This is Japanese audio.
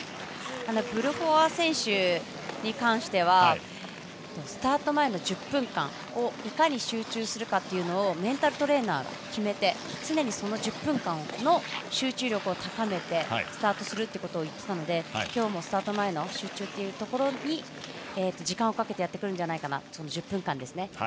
ブルホバー選手に関してはスタート前の１０分間をいかに集中するかメンタルトレーナーを決めて常にその１０分間集中力を高めてスタートすると言っていたので今日もスタート前の集中に時間をかけてやってくるんじゃないかなと。